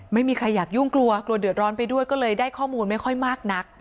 ไม่มีใครอยากยุ่งกลัวกลัวเดือดร้อนไปด้วยก็เลยได้ข้อมูลไม่ค่อยมากนัก